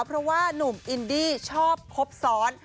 เพราะว่านุ่มอินดี้ชอบครบซ้อน